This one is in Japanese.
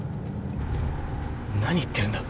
何言ってるんだ？